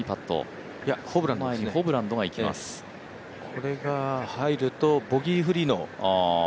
これが入るとボギーフリーですね。